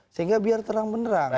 sehingga biar terang menerang